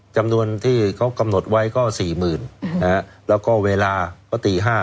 จำนวนที่เขากำหนดไว้ก็สี่หมื่นนะฮะแล้วก็เวลาก็ตีห้า